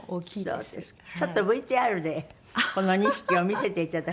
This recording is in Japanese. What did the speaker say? ちょっとＶＴＲでこの２匹を見せていただきます。